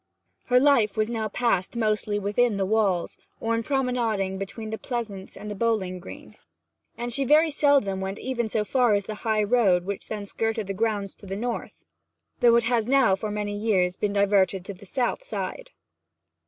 Her life was now passed mostly within the walls, or in promenading between the pleasaunce and the bowling green; and she very seldom went even so far as the high road which then skirted the grounds on the north, though it has now, and for many years, been diverted to the south side.